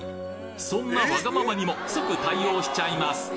そんなワガママにも即対応しちゃいます